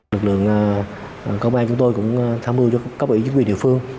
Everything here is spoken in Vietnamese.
lực lượng công an chúng tôi cũng tham mưu cho cấp ủy chính quyền địa phương